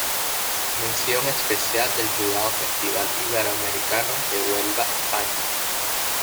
Mención Especial del jurado Festival Iberoamericano de Huelva España.